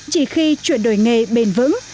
chỉ khi chuyển đổi nghề bền vững